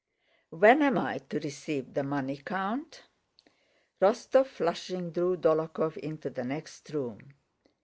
"When am I to receive the money, Count?" Rostóv, flushing, drew Dólokhov into the next room.